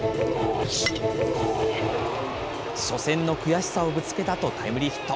初戦の悔しさをぶつけたと、タイムリーヒット。